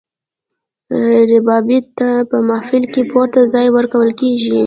ربابي ته په محفل کې پورته ځای ورکول کیږي.